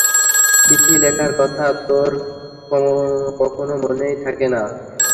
চিঠি লেখার কথা তোর কখনো মনেই থাকে না।